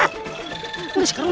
hamba gusti prabu